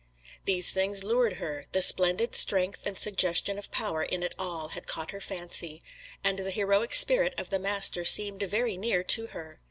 These things lured her the splendid strength and suggestion of power in it all, had caught her fancy, and the heroic spirit of the Master seemed very near to her.